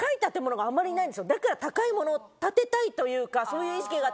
だから高いものを建てたいというかそういう意識があって。